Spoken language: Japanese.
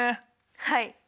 はい。